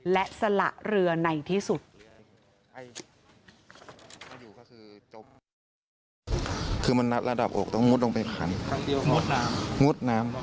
และสละเรือในที่สุด